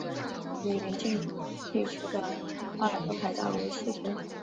与邻近地区的奥兰多海盗为世仇。